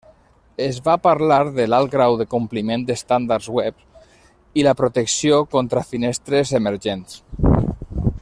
Es va parlar de l'alt grau de compliment d'estàndards web i la protecció contra finestres emergents.